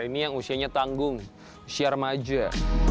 ini yang usianya tanggung usia remaja